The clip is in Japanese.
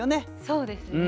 そうですね。